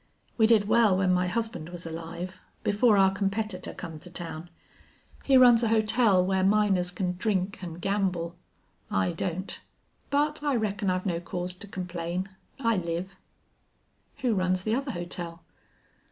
"We did well when my husband was alive, before our competitor come to town. He runs a hotel where miners can drink an' gamble. I don't.... But I reckon I've no cause to complain. I live." "Who runs the other hotel?"